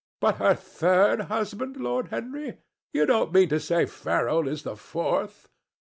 "But her third husband, Lord Henry! You don't mean to say Ferrol is the fourth?"